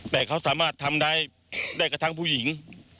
แต่เขาสามารถทำได้ได้กระทั่งผู้หญิง